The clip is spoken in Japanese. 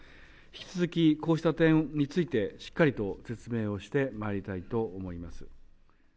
引き続き、こうした点についてしっかりと説明をしてまいりたいと思います。